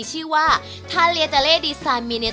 โอเคฉันจะไปที่นอกไปด้วย